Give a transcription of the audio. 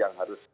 yang harus di